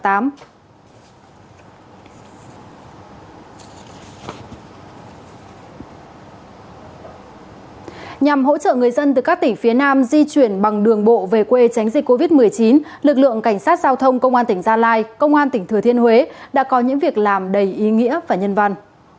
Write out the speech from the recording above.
nhằm hỗ trợ người dân từ các tỉnh phía nam di chuyển bằng đường bộ về quê tránh dịch covid một mươi chín lực lượng cảnh sát giao thông công an tỉnh gia lai công an tỉnh thừa thiên huế đã có những việc làm đầy ý nghĩa và nhân văn